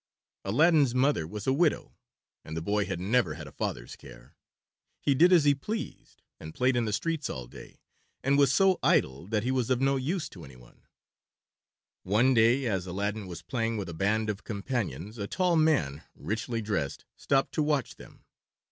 Aladdin's mother was a widow, and the boy had never had a father's care. He did as he pleased, and played in the streets all day, and was so idle that he was of no use to anyone. One day, as Aladdin was playing with a band of companions, a tall man, richly dressed, stopped to watch them.